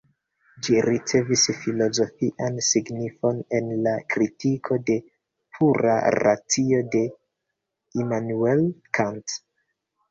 Ĝi ricevas filozofian signifon en la Kritiko de Pura Racio de Immanuel Kant.